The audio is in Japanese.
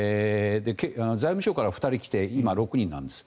財務省から２人来て今、６人なんです。